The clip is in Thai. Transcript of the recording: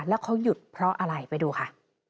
แล้วเขาหยุดเพราะอะไรไปดูค่ะ